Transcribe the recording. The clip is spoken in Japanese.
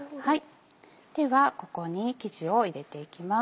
ではここに生地を入れていきます。